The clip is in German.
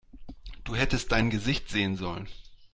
Du hättest dein Gesicht sehen sollen